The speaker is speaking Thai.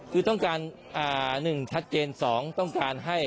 คือต้องการ๑ชัดเจน๒ต้องการให้